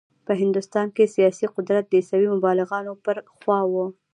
په هندوستان کې سیاسي قدرت د عیسوي مبلغانو پر خوا و.